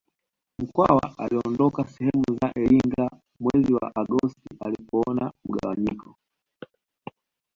Mkwawa aliondoka sehemu za Iringa mwezi wa Agosti alipoona mgawanyiko